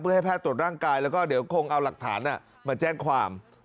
เพื่อให้แพทย์ตรวจร่างกายแล้วก็เดี๋ยวคงเอาหลักฐานมาแจ้งความ